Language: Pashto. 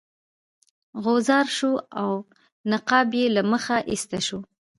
غوځار شو او نقاب یې له مخه ایسته شو.